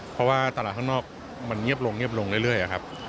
เพราะว่าตลาดข้างนอกมันเงียบลงเงียบลงเรื่อยครับ